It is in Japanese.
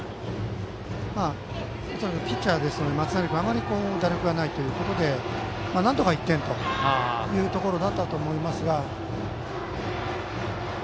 ピッチャーですのであまり打力がないというところでなんとか１点というところだったと思いますが。